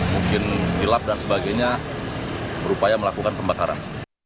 mungkin gelap dan sebagainya berupaya melakukan pembakaran